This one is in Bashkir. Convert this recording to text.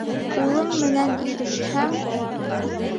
Улың менән ирешһәң